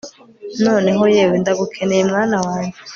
noneho, yewe! ndagukeneye mwana wanjye